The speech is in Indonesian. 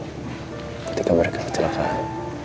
ketika mereka kecelakaan